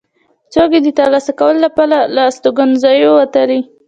څوک چې د ترلاسه کولو لپاره له استوګنځیو وتلي.